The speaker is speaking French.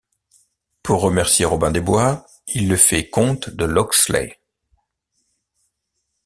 Pour remercier Robin des Bois, il le fait Comte de Locksley.